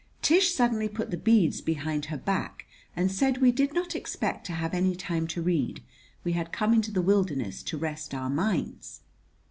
Tish suddenly put the beads behind her back and said we did not expect to have any time to read. We had come into the wilderness to rest our minds.